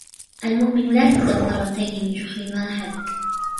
المؤمن لا يُلذغ مرتين من جحر واحد.